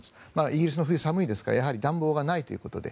イギリスの冬寒いですから暖房がないということで。